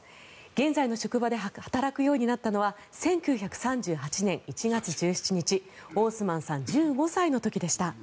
現在の職場で働くようになったのは１９３８年１月１７日オースマンさん１５歳の時でした。